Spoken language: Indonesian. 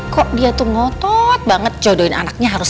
kok dia tuh ngotot banget jodohin anaknya sama diego